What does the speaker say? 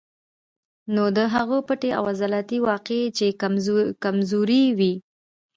نو د هغو پټې او عضلات واقعي چې کمزوري وي